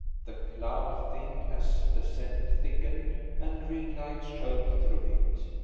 The cloud thinned as the scent thickened, and green lights showed through it.